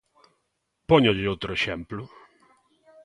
Póñolle outro exemplo.